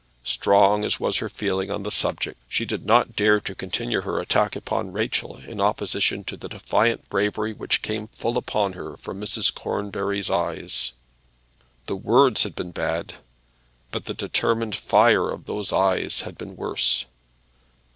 Strong as was her feeling on the subject, she did not dare to continue her attack upon Rachel in opposition to the defiant bravery which came full upon her from Mrs. Cornbury's eyes. The words had been bad, but the determined fire of those eyes had been worse.